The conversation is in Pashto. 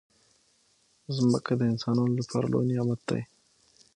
مځکه د انسانانو لپاره لوی نعمت دی.